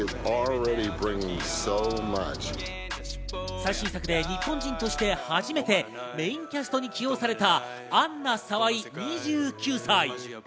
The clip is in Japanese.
最新作で日本人として初めてメインキャストに起用されたアンナ・サワイ２９歳。